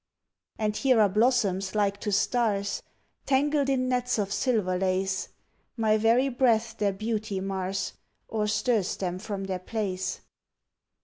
And here are blossoms like to stars Tangled in nets of silver lace My very breath their beauty mars, Or stirs them from their place.